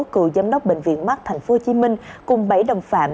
cựu giám đốc bệnh viện mắt tp hcm cùng bảy đồng phạm